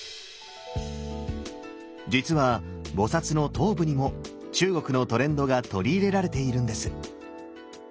実は菩の頭部にも中国のトレンドが取り入れられているんです。